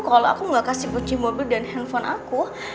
kalau aku gak kasih bunyi mobil dan handphone aku